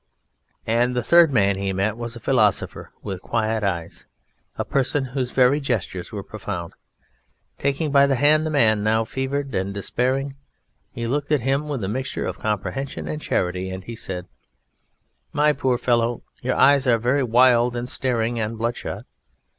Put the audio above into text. And the third man he met was a Philosopher with quiet eyes; a person whose very gestures were profound. Taking by the hand the Man, now fevered and despairing, he looked at him with a mixture of comprehension and charity, and he said: "My poor fellow, your eyes are very wild and staring and bloodshot.